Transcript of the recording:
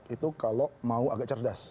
itu kalau mau agak cerdas